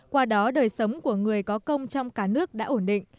qua đó đời sống của người có công trong cả nước đã ổn định